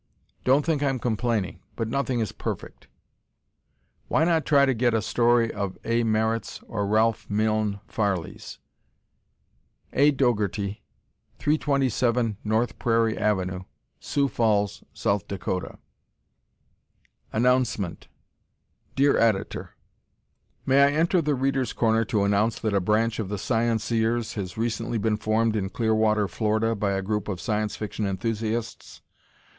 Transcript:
Don't think I'm complaining, but nothing is perfect. Why not try to get a story of A. Merritt's, or Ralph Milne Farley's? A. Dougherty, 327 North Prairie Ave., Sioux Falls, So. Dak. Announcement Dear Editor: May I enter "The Readers' Corner" to announce that a branch of The Scienceers has recently been formed in Clearwater, Florida, by a group of Science Fiction enthusiasts?